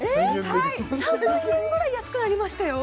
はい３万円ぐらい安くなりましたよ